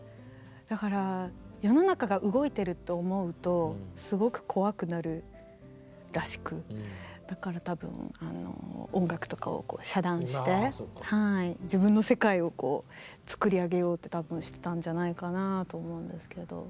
だから世の中が動いてると思うとすごく怖くなるらしくだから多分音楽とかを遮断して自分の世界を作り上げようと多分してたんじゃないかなと思うんですけど。